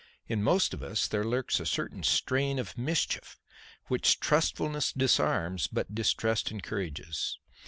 In most of us there lurks a certain strain of mischief which trustfulness disarms but distrust encourages.